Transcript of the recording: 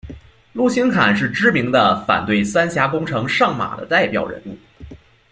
陆钦侃是知名的反对三峡工程上马的代表人物。